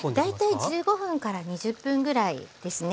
大体１５分から２０分ぐらいですね。